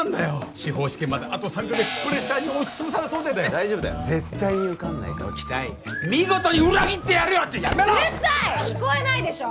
司法試験まであと３カ月プレッシャーに押しつぶされそうで大丈夫だよ絶対に受かんないからその期待見事に裏切ってやるようるさいっ聞こえないでしょ！